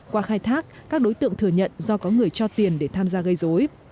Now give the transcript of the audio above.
qua khai thác các đối tượng thừa nhận do có người cho tiền để tham gia gây dối